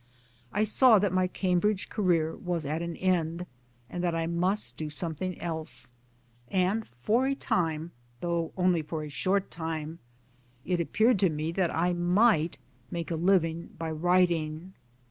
I saw that my Cambridge career was at an end, and that I must do something else ; and for a time (though only for a short time) it appeared to me that I might make a 1 living by writing.